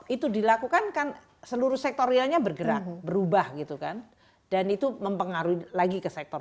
itu dilakukan kan seluruh sektor realnya bergerak berubah gitu kan dan itu mempengaruhi lagi ke sektor